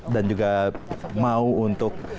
dan juga mau untuk